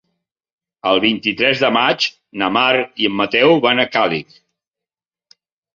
El vint-i-tres de maig na Mar i en Mateu van a Càlig.